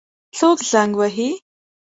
څوک زنګ وهي؟